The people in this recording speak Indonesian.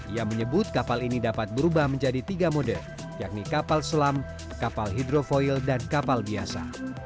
ia menyebut kapal ini dapat berubah menjadi tiga mode yakni kapal selam kapal hidrofoil dan kapal biasa